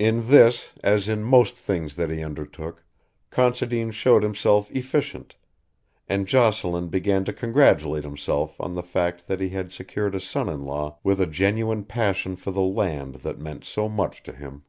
In this, as in most things that he undertook, Considine showed himself efficient, and Jocelyn began to congratulate himself on the fact that he had secured a son in law with a genuine passion for the land that meant so much to him.